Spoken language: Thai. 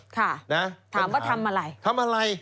ค่ะถามว่าทำอะไร